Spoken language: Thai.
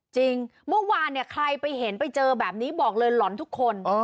จริงเมื่อวานเนี่ยใครไปเห็นไปเจอแบบนี้บอกเลยหล่อนทุกคน